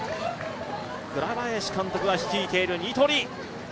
倉林監督が率いるニトリ。